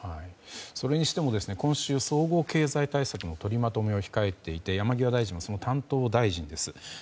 それにしても今週、総合経済対策の取りまとめを控えていて山際大臣はその担当大臣です。